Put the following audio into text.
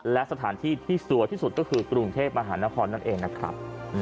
และสถานที่ที่สวยที่สุดก็คือกรุงเทพมหานครนั่นเองนะครับ